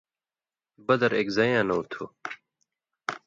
بدر اېک زئ یاں نؤں تُھو،